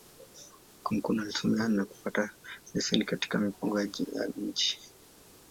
Kúmókụn alisomea, na kupata leseni katika Mipango ya Miji.